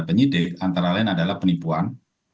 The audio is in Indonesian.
penyidik antara lain adalah penipuan